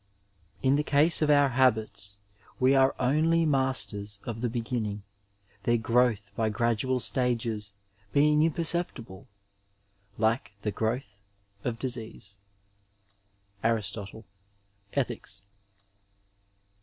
In the case of our habits we are only masters of the beginning, their growth by gradual stages being imperceptible, like the growth of disease, AsjsrroTLE, Etkica.